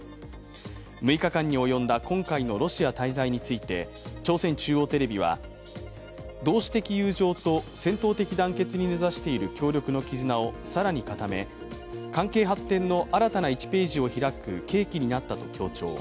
６日間に及んだ今回のロシア滞在について朝鮮中央テレビは、同志的友情と戦闘的団結に根ざしている協力の絆を更に固め、関係発展の新たな１ページを開く契機になったと強調